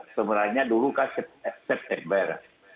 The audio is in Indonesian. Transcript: sebenarnya dulu kan september